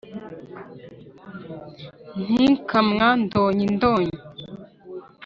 ntikamwa donyi donyi